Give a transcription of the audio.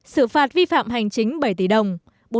sự phạt vi phạm hành chính